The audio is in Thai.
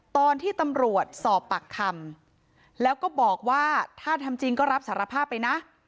ตอนที่ตำรวจสอบปากคำแล้วก็บอกว่าถ้าทำจริงก็รับสารภาพไปนะ